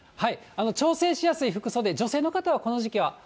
調整しやすい服装で、女性の方はこの時期は。